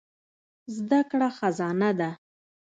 زده کړه خزانه ده.